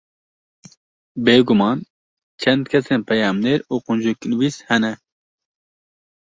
Bêguman çend kesên peyamnêr û qunciknivîs hene